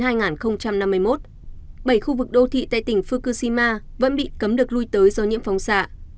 bảy khu vực đô thị tại tỉnh fukushima vẫn bị cấm được lui tới do nhiễm phóng xạ